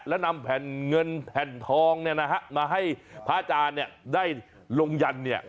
และนำแผ่นเงินแผ่นทองมาให้พระอาจารย์ได้ลงยันทร์